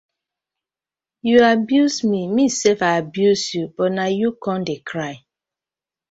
Yu abuse mi mi sef I abuse yu but na yu com de cry.